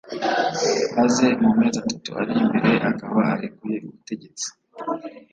maze mu mezi atatu ari imbere akaba arekuye ubutegetsi